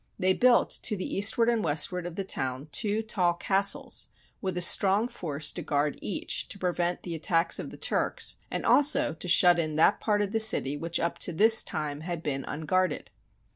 They built to the eastward and westward of the town two tall castles, with a strong force to guard each to prevent the attacks of the Turks, and also to shut in that part of the city which up to this time had been unguarded.